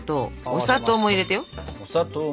お砂糖も入れて。